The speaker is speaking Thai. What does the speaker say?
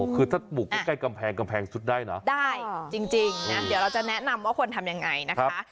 คือถ้าบุกใกล้กำแพงกำแพงสุดได้นะได้จริงนะเดี๋ยวเราจะแนะนำว่าควรทำยังไงนะคะ